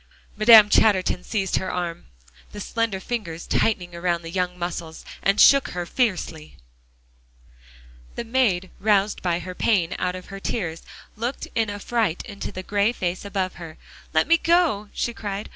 Madame Chatterton seized her arm, the slender fingers tightening around the young muscles, and shook her fiercely. The maid roused by her pain out of her tears looked in affright into the gray face above her. "Let me go," she cried.